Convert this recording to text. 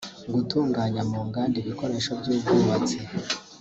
gutunganya mu nganda ibikoresho by’ubwubatsi